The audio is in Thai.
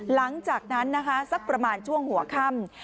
หลังจากนั้นนะคะสักประมาณช่วงหัวค่ำ